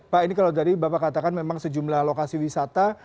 pak ini kalau tadi bapak katakan memang sejumlah lokasi wisata